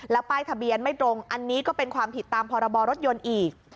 ป้ายทะเบียนไม่ตรงอันนี้ก็เป็นความผิดตามพรบรถยนต์อีก